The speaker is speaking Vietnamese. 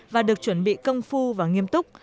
và được chuẩn bị công phu và nghiêm túc